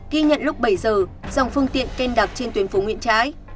ghi nhận lúc bảy giờ dòng phương tiện kênh đặc trên tuyến phố nguyễn trái